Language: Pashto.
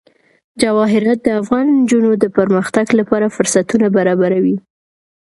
جواهرات د افغان نجونو د پرمختګ لپاره فرصتونه برابروي.